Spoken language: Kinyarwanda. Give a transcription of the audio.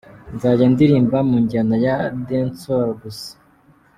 Nzajya ndirimba mu njyana ya Dancehall gusa.